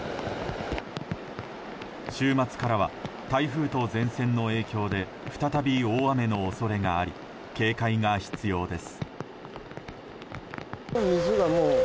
週末からは台風と前線の影響で再び大雨の恐れがあり警戒が必要です。